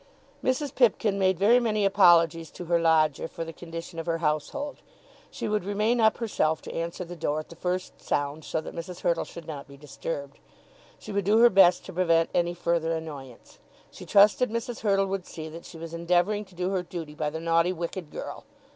Mrs. Pipkin made very many apologies to her lodger for the condition of her household. She would remain up herself to answer the door at the first sound, so that Mrs. Hurtle should not be disturbed. She would do her best to prevent any further annoyance. She trusted Mrs. Hurtle would see that she was endeavouring to do her duty by the naughty wicked girl.